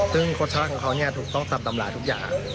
ซึ่งรสชาติของเขาถูกต้องตามตำราทุกอย่าง